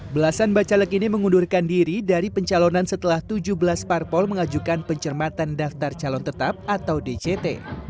belasan bacalek ini mengundurkan diri dari pencalonan setelah tujuh belas parpol mengajukan pencermatan daftar calon tetap atau dct